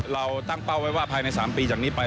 เราตั้งเป้าไว้ว่าภายใน๓ปีจากนี้ไป